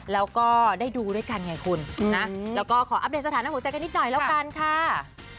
แล้วก็มีชวนไหมคะข้างบนก็ชวนค่ะ